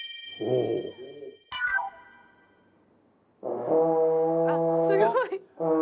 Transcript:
あっすごい！